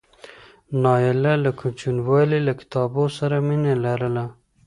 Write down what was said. نایله له کوچنیوالي له کتابونو سره مینه لرله.